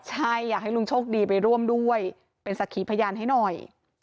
ใช่อยากให้ลุงโชคดีไปร่วมด้วยเป็นสักขีพยานให้หน่อย